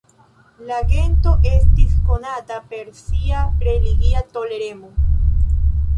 La gento estis konata per sia religia toleremo.